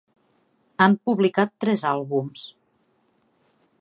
Han publicat tres àlbums.